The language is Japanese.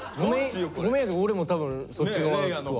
ごめんやけど俺も多分そっち側つくわ。